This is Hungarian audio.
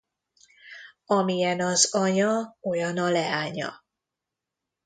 Amilyen az anya, olyan a leánya.